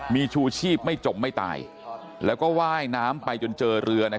มีชูชีพไม่จมไม่ตายแล้วก็ว่ายน้ำไปจนเจอเรือ